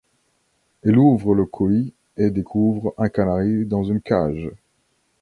Elle ouvre le colis et découvre un canari dans une cage.